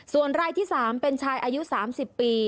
ส่วนรายที่๓เป็นชายอายุ๓๐ปี